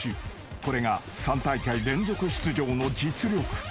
［これが３大会連続出場の実力か］